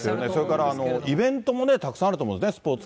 それから、イベントもたくさんあると思うんですよね。